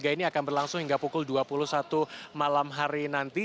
ini akan berlangsung hingga pukul dua puluh satu malam hari nanti